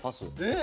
え！